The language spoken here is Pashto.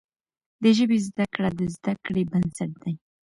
د ژبي زده کړه د زده کړې بنسټ دی.